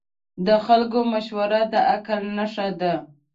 د خلکو مشوره د عقل نښه ده.